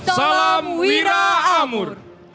salam wira amur